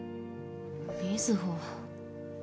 瑞穂。